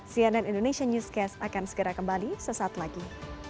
cnn indonesia newscast akan segera kembali sesaat lagi